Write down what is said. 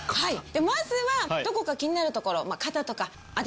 まずはどこか気になるところ。